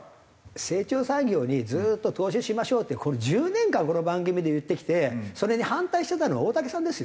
成長産業にずっと投資しましょうって１０年間この番組で言ってきてそれに反対してたのは大竹さんですよ。